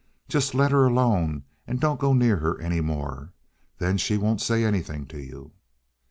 Just let her alone and don't go near her any more. Then she won't say anything to you."